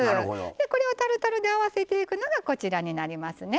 これをタルタルで合わせていくのがこちらです。